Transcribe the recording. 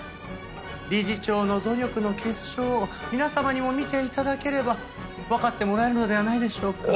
理事長の努力の結晶を皆様にも見て頂ければわかってもらえるのではないでしょうか。